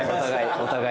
お互い。